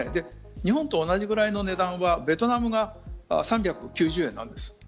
日本と同じくらいの値段はベトナムが３９０円なんです。